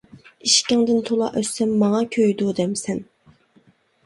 ئىشىكىڭدىن تولا ئۆتسەم، ماڭا كۆيىدۇ دەمسەن.